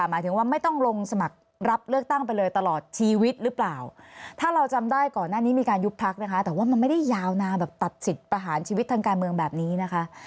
หมายถึงว่าไม่ต้องลงสมัครรับเลือกตั้งไปเลยตลอดชีวิตหรือเปล่าถ้าเราจำได้ก่อนหน้านี้มีการยุบพักนะคะแต่ว่ามันไม่ได้ยาวนานแบบตัดสิทธิ์ประหารชีวิตทางการเมืองแบบนี้นะคะ